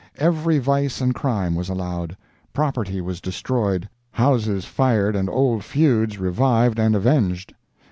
Every vice and crime was allowed. Property was destroyed, houses fired and old feuds revived and avenged.